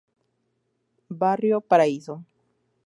Barrio: Paraíso.